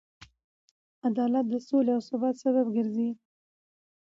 عدالت د سولې او ثبات سبب ګرځي.